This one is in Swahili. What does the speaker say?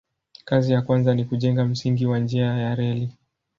Kazi ya kwanza ni kujenga msingi wa njia ya reli.